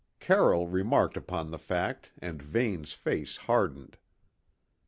Carroll remarked upon the fact and Vane's face hardened.